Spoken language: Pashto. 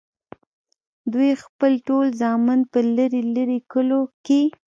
دوي خپل ټول زامن پۀ لرې لرې کلو کښې